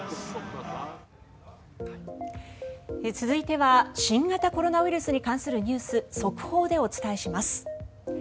続いては新型コロナウイルスに関するニュース速報でお伝えします。